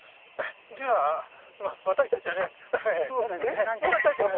では私たちはね。えっ？